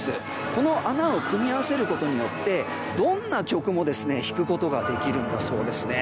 この穴を組み合わせることによってどんな曲も弾くことができるんだそうです。